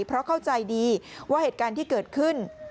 เพราะเข้าใจดีว่าเหตุการณ์ที่เกิดขึ้น